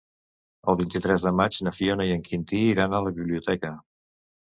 El vint-i-tres de maig na Fiona i en Quintí iran a la biblioteca.